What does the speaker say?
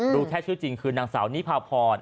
รู้แค่ชื่อจริงคือนางสาวนิพาพร